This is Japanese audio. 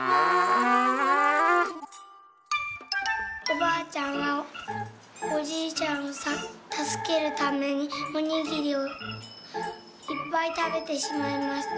「おばあちゃんはおじいちゃんをたすけるためにおにぎりをいっぱいたべてしまいました。